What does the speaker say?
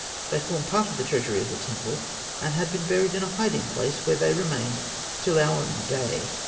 They formed part of the treasure of the temple, and had been buried in a hiding place, where they remained till our own day.